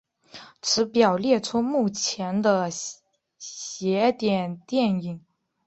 此表列出目前的邪典电影。